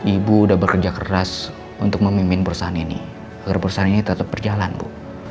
ibu sudah bekerja keras untuk memimpin perusahaan ini agar perusahaan ini tetap berjalan bu